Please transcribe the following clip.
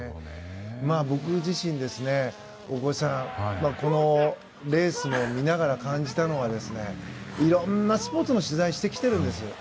僕自身、大越さんこのレースを見ながら感じたのはいろんなスポーツを取材してきているんです。